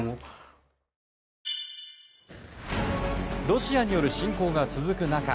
ロシアによる侵攻が続く中